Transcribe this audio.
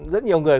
rất nhiều người